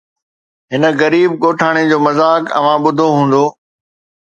هن غريب ڳوٺاڻي جو مذاق اوهان ٻڌو هوندو